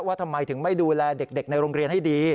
ทำไมถึงไม่ดูแลเด็กในโรงเรียนให้ดี